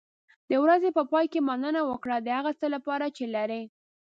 د ورځې په پای کې مننه وکړه د هغه څه لپاره چې لرې.